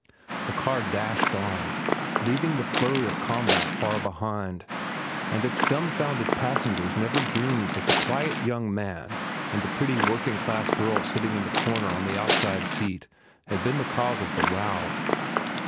The car dashed on, leaving the flurry of combat far behind, and its dumfounded passengers never dreamed that the quiet young man and the pretty working girl sitting in the corner on the outside seat had been the cause of the row.